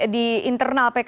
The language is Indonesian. di internal pak